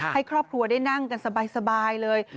ให้ครอบครัวได้นั่งกันสบายเลย